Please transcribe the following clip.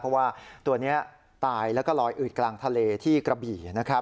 เพราะว่าตัวนี้ตายแล้วก็ลอยอืดกลางทะเลที่กระบี่นะครับ